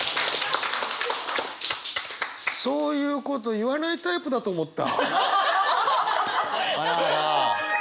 そういうこと言わないタイプだと思った。